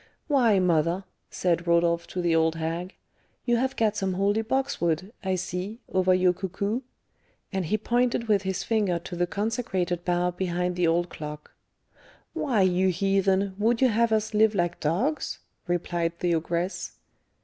"Why, mother," said Rodolph to the old hag, "you have got some holy boxwood, I see, over your cuckoo," and he pointed with his finger to the consecrated bough behind the old clock. "Why, you heathen, would you have us live like dogs?" replied the ogress.